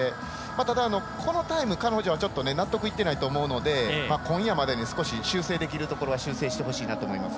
ただ、このタイム彼女は納得いっていないと思うので今夜までに少し修正できるところは修正してほしいなと思います。